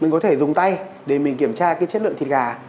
mình có thể dùng tay để mình kiểm tra cái chất lượng thịt gà